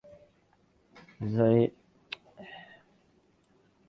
Her plays have been produced at theaters in California and Maryland.